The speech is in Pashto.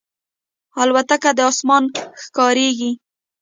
الوتکه د اسمان ښکاریږي.